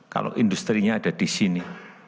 kalau industri nya ada di sini